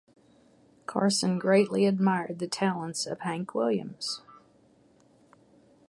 Carson greatly admired the talents of Hank Williams.